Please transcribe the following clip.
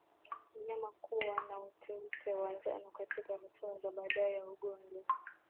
Mnyama kuwa na uteute wa njano katika hatua za baadaye za ugonjwa